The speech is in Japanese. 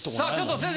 先生！